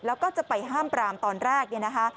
แล้วก็จะไปห้ามปรามตอนแรกเนี่ยนะคะ